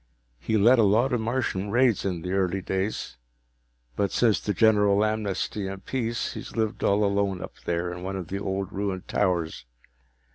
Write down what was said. He led a lot of Martian raids in the early days, but since the general amnesty and peace he's lived all alone up there, in one of the old ruined towers.